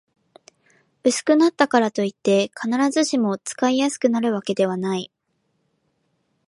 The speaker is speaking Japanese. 薄くなったからといって、必ずしも使いやすくなるわけではない